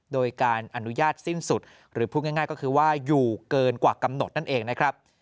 โดยการอนุญาตสิ้นสุดหรือพูดง่ายก็คือว่าอยู่เกินกว่ากำหนดนั่นเองนะครับ